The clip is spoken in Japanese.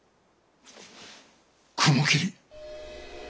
雲霧。